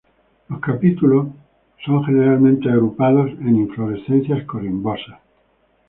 Los capítulos son generalmente agrupados en inflorescencias corimbosas.